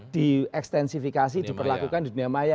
diekstensifikasi diperlakukan di dunia maya